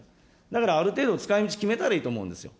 だから、ある程度、使いみちを決めたらいいと思うんですよ。